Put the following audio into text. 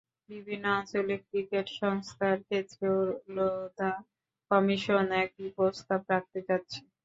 বিভিন্ন আঞ্চলিক ক্রিকেট সংস্থার ক্ষেত্রেও লোধা কমিশন একই প্রস্তাব রাখতে যাচ্ছে।